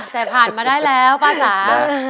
แต่ผ่านมาได้แล้วป้าจ๋า